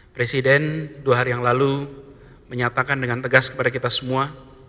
presiden dua hari yang lalu menyatakan dengan tegas kepada kita semua